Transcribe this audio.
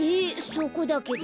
そこだけど。